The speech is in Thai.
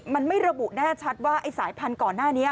มันไม่ระบุแน่ชัดว่าไอ้สายพันธุ์ก่อนหน้านี้